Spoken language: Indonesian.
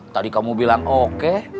tadi kamu bilang oke